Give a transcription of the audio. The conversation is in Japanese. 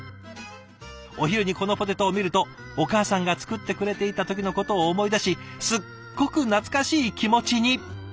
お昼にこのポテトを見るとお母さんが作ってくれていた時のことを思い出しすっごく懐かしい気持ちに。